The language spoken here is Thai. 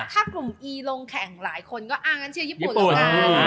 ถ้ากลุ่มอีลงแข่งหลายคนก็อ้างั้นเชียร์ญี่ปุ่นแล้วกัน